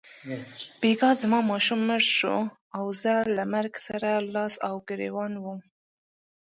بیګا زما ماشوم مړ شو او زه له مرګ سره لاس او ګرېوان وم.